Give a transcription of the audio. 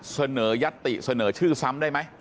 เสนอยัตติเสนอชื่อซ้ำได้ไหม